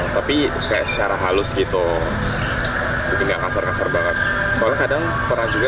tapi kayak secara halus gitu mungkin nggak kasar kasar banget soalnya kadang pernah juga